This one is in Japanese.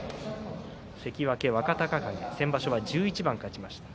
関脇若隆景、先場所は１１番勝ちました。